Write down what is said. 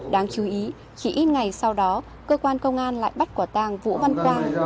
đáng chú ý chỉ ít ngày sau đó cơ quan công an lại bắt quả tàng vũ văn quang